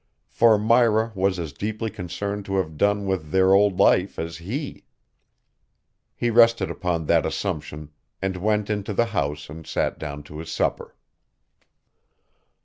For Myra was as deeply concerned to have done with their old life as he. He rested upon that assumption and went into the house and sat down to his supper.